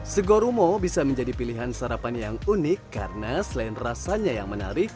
segoromo bisa menjadi pilihan sarapan yang unik karena selain rasanya yang menarik